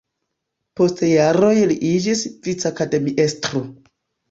Post jaroj li iĝis vicakademiestro.